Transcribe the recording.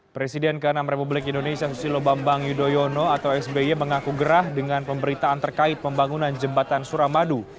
presiden ke enam republik indonesia susilo bambang yudhoyono atau sby mengaku gerah dengan pemberitaan terkait pembangunan jembatan suramadu